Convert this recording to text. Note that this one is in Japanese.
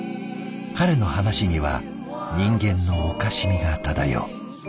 彼の噺には人間のおかしみが漂う。